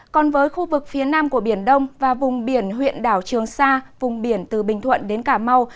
còn với khu vực phía nam của biển đông và vùng biển huyện đảo trường sa vùng biển từ bình thuận đến cà mau